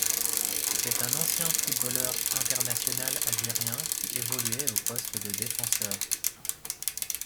C'est un ancien footballeur international algérien, qui évoluait au poste de défenseur.